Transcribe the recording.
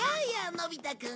のび太くん。